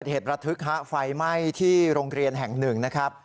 เหตุระทึกฮะไฟไหม้ที่โรงเรียนแห่งหนึ่งนะครับ